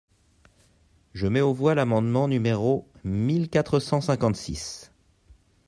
Je mets aux voix l’amendement numéro mille quatre cent cinquante-six.